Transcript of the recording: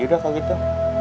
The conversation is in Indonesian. yaudah kalau gitu